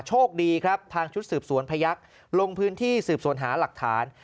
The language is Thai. โชคดีครับทางชุดสืบสวนพยักษ์ลงพื้นที่สืบสวนหาหลักฐาน